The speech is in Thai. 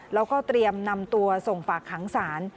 แล้วก็เตรียมนำตัวส่งฝากขังศาล